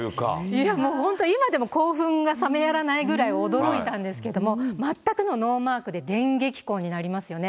いやもう、本当に今でも興奮が冷めやらないぐらい驚いたんですけども、全くのノーマークで、電撃婚になりますよね。